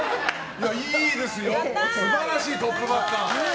いいですよ素晴らしいトップバッター。